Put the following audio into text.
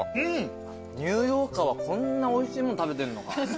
ニューヨーカーはこんなおいしいもん食べてるのか。